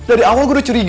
aku bisa ber pewnakin